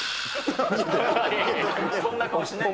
そんな顔しないです。